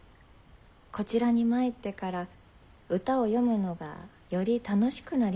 こちらに参ってから歌を詠むのがより楽しくなりました。